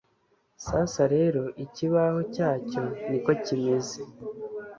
sasa rero ikibaho cyacyo niko kimeze